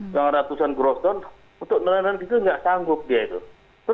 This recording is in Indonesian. yang ratusan gross ton untuk nelayanan gitu tidak sanggup